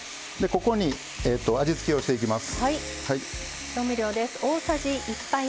ここに味付けをしていきます。